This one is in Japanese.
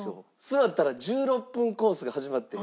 座ったら１６分コースが始まって。